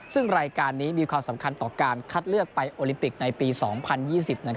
ซึ่งรายการนี้มีความสำคัญต่อการคัดเลือกไปโอลิมปิกในปี๒๐๒๐